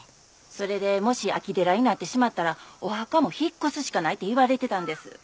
それでもし空き寺になってしまったらお墓も引っ越すしかないって言われてたんです。